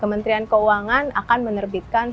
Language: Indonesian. kementerian keuangan akan menerbitkan